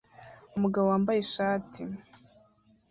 umugabo wambaye ishati